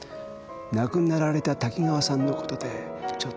亡くなられた滝川さんのことでちょっと。